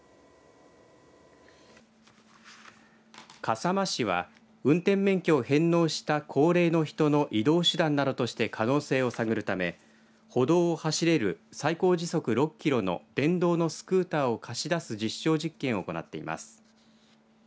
笠間市は運転免許を返納した高齢の人の移動手段などとして可能性を探るため歩道を走れる最高時速６キロの電動のスクーターを貸し出す実証実験を行っています。